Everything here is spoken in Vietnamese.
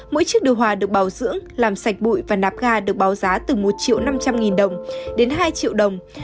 mỗi chiếc điều hòa được bảo dưỡng làm sạch bụi và nạp ga được báo giá từ một triệu năm trăm linh nghìn đồng đến hai triệu đồng